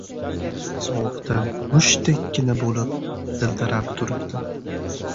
Sovuqda mushtdek-kina bo‘lib dildirab turibdi.